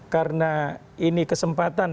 karena ini kesempatan